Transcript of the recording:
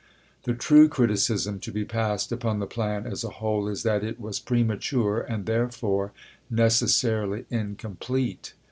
The true criticism to be passed upon the plan as a whole is that it was premature and therefore necessarily incom plete.